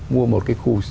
mua một cái khu